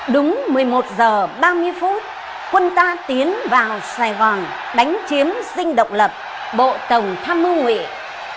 đúng một mươi một h ba mươi phút quân ta tiến vào sài gòn đánh chiến dinh độc lập bộ tổng tham mưu nguyện